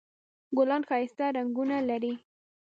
ګلان ښایسته رنګونه لري